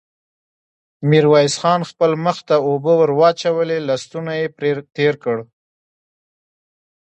ميرويس خان خپل مخ ته اوبه ور واچولې، لستوڼۍ يې پرې تېر کړ.